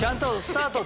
スタート！